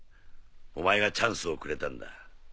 お前がチャンスをくれたんだ。